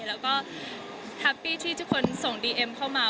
แล้วก็แฮปปี้ที่ทุกคนส่งดีเอ็มเข้ามา